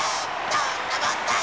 どんなもんだい！